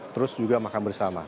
terus juga makan bersama